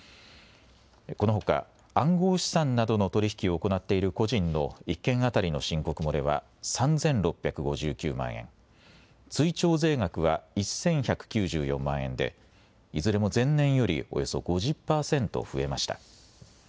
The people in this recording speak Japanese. このほか暗号資産などの取り引きを行っている個人の１件当たりの申告漏れは３６５９万円、追徴税額は１１９４万円でいずれも前年よりおよそ５０％増えました。